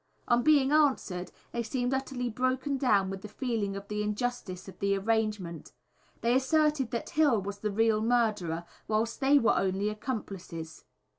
On being answered, they seemed utterly broken down with the feeling of the injustice of the arrangement. They asserted that Hill was the real murderer, whilst they were only accomplices.